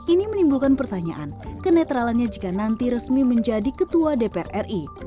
ini menimbulkan pertanyaan kenetralannya jika nanti resmi menjadi ketua dpr ri